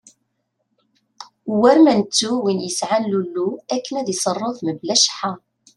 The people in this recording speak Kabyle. War ma nettu win yesɛan lulu akken ad iserref mebla cceḥḥa.